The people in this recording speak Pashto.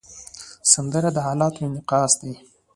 سندره د حالاتو انعکاس دی